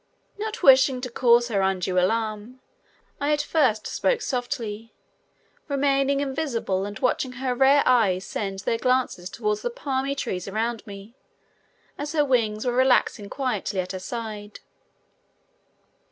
Not wishing to cause her undue alarm, I at first spoke softly, remaining invisible and watching her rare eyes send their glances toward the palmy trees around me, as her wings were relaxing quietly at her side.